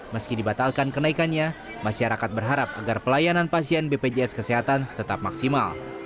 meski dibatalkan kenaikannya masyarakat berharap agar pelayanan pasien bpjs kesehatan tetap maksimal